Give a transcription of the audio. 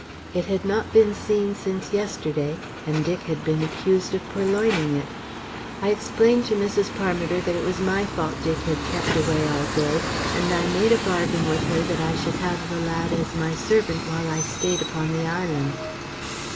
It had not been seen since yesterday, and Dick had been accused of purloining it. I explained to Mrs. Parmiter that it was my fault Dick had kept away all day, and I made a bargain with her that I should have the lad as my servant while I stayed upon the island.